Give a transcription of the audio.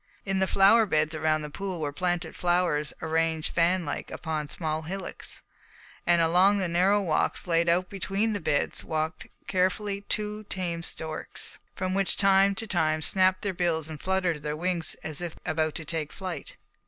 In the flower beds around the pool were planted flowers arranged fanlike upon small hillocks, and along the narrow walks laid out between the beds walked carefully two tame storks, which from time to time snapped their bills and fluttered their wings as if about to take flight.